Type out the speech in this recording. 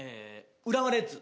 浦和レッズ。